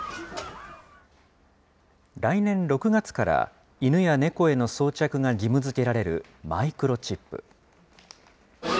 来年６月から、犬や猫への装着が義務づけられるマイクロチップ。